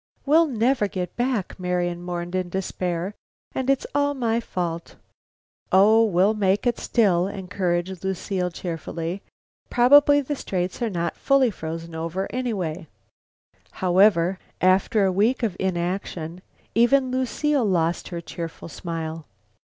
"We'll never get back," Marian mourned in despair, "and it's all my fault." "Oh, we'll make it still," encouraged Lucile, cheerfully. "Probably the Straits are not fully frozen over yet anyway." However, after a week of inaction, even Lucile lost her cheerful smile.